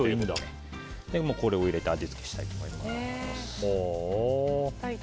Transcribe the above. これを入れて味付けしたいと思います。